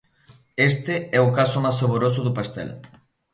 Este é o caso máis saboroso do pastel.